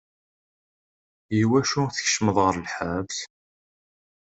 Iwacu tkecmeḍ ɣer lḥebs?